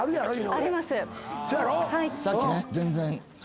さっきね。